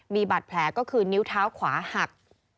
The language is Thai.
มีบาดแผลก็คือนิ้วเท้าขวาหัก